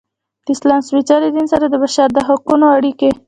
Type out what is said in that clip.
د اسلام سپیڅلي دین سره د بشر د حقونو اړیکې.